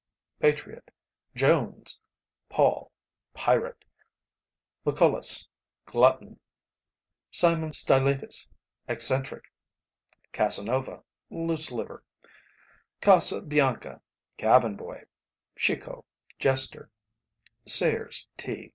patriot; Jones, Paul, pirate; Lucullus, glutton; Simon Stylites, eccentric; Casanova, loose liver; Casabianca, cabin boy; Chicot, jester; Sayers, T.